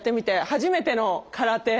初めての空手。